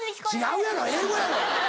違うやろ英語やろ！